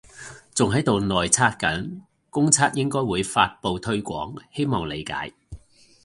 仲喺度內測緊，公測應該會發佈推廣，希望理解